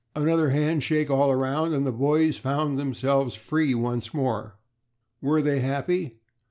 Another handshake all around, and the boys found themselves free once more. Were they happy?